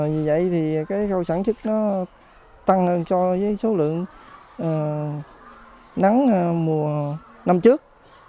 vì vậy sản chức tăng hơn cho số lượng nắng mùa năm trước